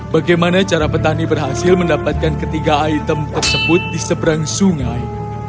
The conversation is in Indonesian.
bagaimana cara petani berhasil mendapatkan ketiga item tersebut di seberang sungai